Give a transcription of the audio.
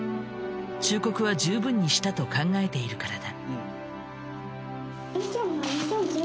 忠告は十分にしたと考えているからだ。